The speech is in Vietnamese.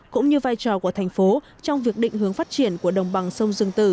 cũng như vai trò của thành phố trong việc định hướng phát triển của đồng bằng sông rừng tử